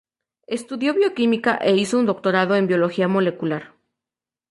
Estudió bioquímica e hizo un doctorado en biología molecular.